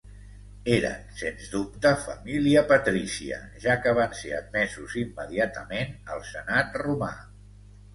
Eren sens dubte família patrícia, ja que van ser admesos immediatament al senat romà.